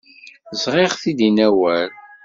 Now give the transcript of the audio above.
Sɣiɣ-t-id i Newwal.